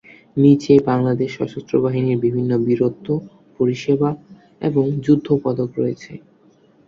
নিচে বাংলাদেশ সশস্ত্র বাহিনীর বিভিন্ন বীরত্ব, পরিষেবা এবং যুদ্ধ পদক রয়েছে।